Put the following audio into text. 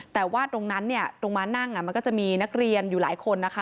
แต่ว่าตรงนั้นเนี่ยตรงม้านั่งมันก็จะมีนักเรียนอยู่หลายคนนะคะ